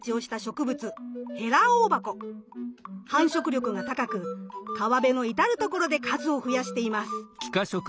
繁殖力が高く川辺の至る所で数を増やしています。